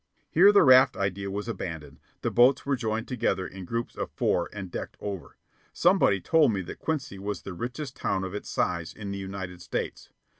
Here the raft idea was abandoned, the boats being joined together in groups of four and decked over. Somebody told me that Quincy was the richest town of its size in the United States.